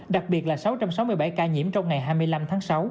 đặc biệt là sáu trăm sáu mươi bảy ca nhiễm trong ngày hai mươi năm tháng sáu